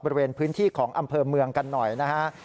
บริเวณพื้นที่ของอำเภอเมืองกันหน่อยนะฮะ